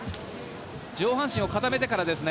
上半身を固めてからですね。